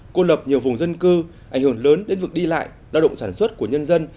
cô lập nhiều vùng dân cư ảnh hưởng lớn đến việc đi lại lao động sản xuất của nhân dân